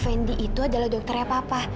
fendi itu adalah dokternya papa